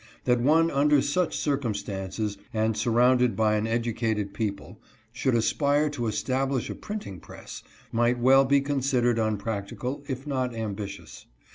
That one under such circumstances and surrounded by an educated people, should aspire to establish a printing press, might well be considered unpractical, if not ambitious.